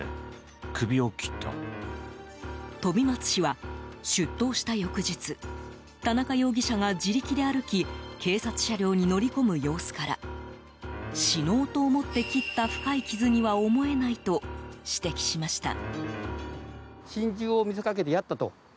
飛松氏は、出頭した翌日田中容疑者が自力で歩き警察車両に乗り込む様子から死のうと思って切った深い傷には思えないと指摘しました。